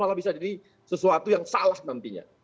malah bisa jadi sesuatu yang salah nantinya